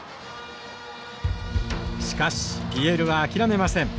しかしＰＬは諦めません。